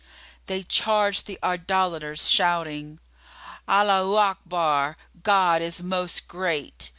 They charged the Idolaters, shouting, "Allaho Akbar! God is Most Great!